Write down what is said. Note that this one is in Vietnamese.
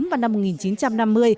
vào năm một nghìn chín trăm năm mươi